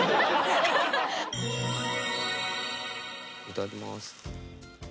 いただきます。